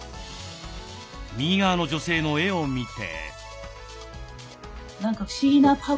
右側の女性の絵を見て。